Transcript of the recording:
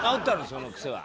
その癖は。